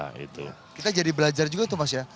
kita jadi belajar juga tuh mas ya